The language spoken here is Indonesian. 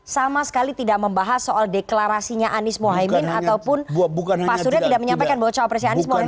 sama sekali tidak membahas soal deklarasinya anis mohaimin ataupun pak surya tidak menyampaikan bahwa cowok presiden anis mohaimin